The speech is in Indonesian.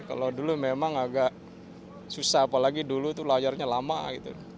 kalau dulu memang agak susah apalagi dulu tuh layarnya lama gitu